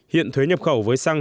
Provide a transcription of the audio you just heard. hiện thuế nhập khẩu với xăng